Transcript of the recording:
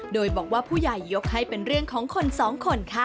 โดยบอกว่าผู้ใหญ่ยกให้เป็นเรื่องของคนสองคนค่ะ